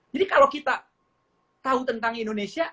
jadi kalau kita tahu tentang indonesia